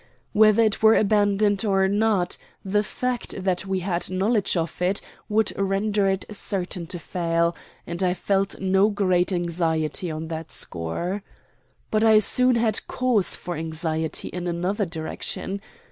Whether it were abandoned or not, the fact that we had knowledge of it would render it certain to fail, and I felt no great anxiety on that score. But I soon had cause for anxiety in another direction.